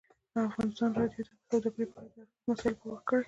ازادي راډیو د سوداګري په اړه د هر اړخیزو مسایلو پوښښ کړی.